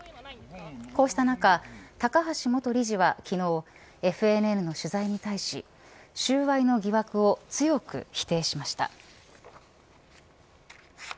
こうした中、高橋元理事は昨日ＦＮＮの取材に対し収賄の疑惑を強く否定しました。